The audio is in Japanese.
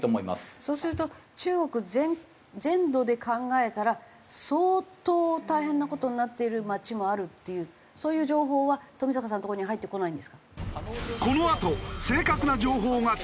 そうすると中国全土で考えたら相当大変な事になっている町もあるっていうそういう情報は冨坂さんのところには入ってこないんですか？